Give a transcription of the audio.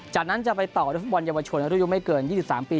จากนั้นจะไปต่อด้วยฟุตบอลเยาวชนอายุไม่เกิน๒๓ปี